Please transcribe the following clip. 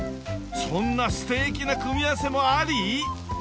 そんなステーキな組み合わせもあり？